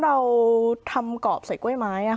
เพราะฉะนั้นทำไมถึงต้องทำภาพจำในโรงเรียนให้เหมือนกัน